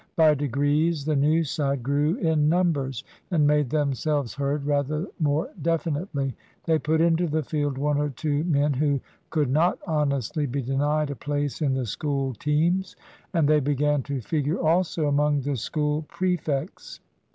By degrees the new side grew in numbers, and made themselves heard rather more definitely. They put into the field one or two men who could not honestly be denied a place in the School teams; and they began to figure also among the School prefects.